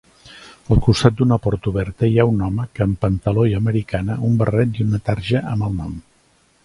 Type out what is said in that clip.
Al costat d'una porta oberta hi ha un home que amb pantaló i americana, un barret i una tarja amb el nom.